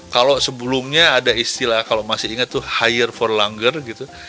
kalau sebelumnya ada istilah kalau masih ingat tuh hire for langer gitu